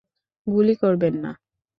গুলি করবেন না।